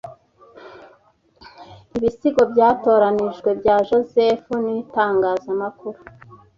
Ibisigo Byatoranijwe bya Joseph nItangazamakuru